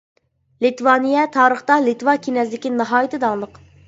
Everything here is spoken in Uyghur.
لىتۋانىيە، تارىختا لىتۋا كىنەزلىكى ناھايىتى داڭلىق.